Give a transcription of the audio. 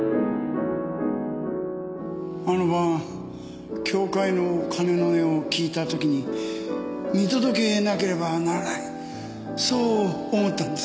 あの晩教会の鐘の音を聞いたときに見届けなければならないそう思ったんです。